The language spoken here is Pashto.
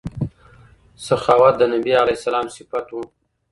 سخاوت د نبي علیه السلام صفت و.